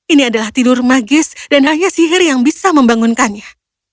ini adalah tidur magis dan hanya sihir yang bisa membangunkannya